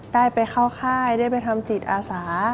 ได้ไปเข้าค่ายได้ไปทำจิตอาสา